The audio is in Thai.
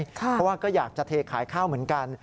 เพราะว่าก็อยากจะเทขายข้าวเหมือนกัน